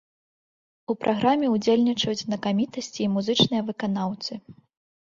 У праграме ўдзельнічаюць знакамітасці і музычныя выканаўцы.